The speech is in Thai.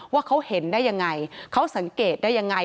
ว่าเขาเห็นได้ยังไงเขาสังเกตได้ยังไง